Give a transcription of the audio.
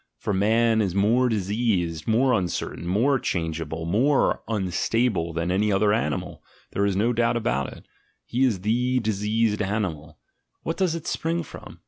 For man is more diseased, more uncertain, more changeable, more unstable than any other animal, there is no doubt of it — he is the diseased animal : what does it spring from?